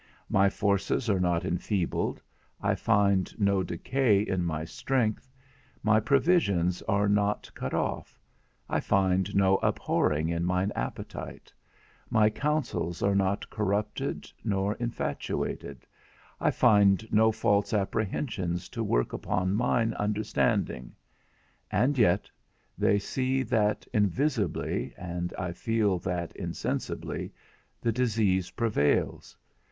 My forces are not enfeebled, I find no decay in my strength; my provisions are not cut off, I find no abhorring in mine appetite; my counsels are not corrupted nor infatuated, I find no false apprehensions to work upon mine understanding; and yet they see that invisibly, and I feel that insensibly, the disease prevails.